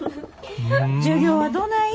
授業はどない？